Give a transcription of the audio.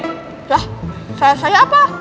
wah saya apa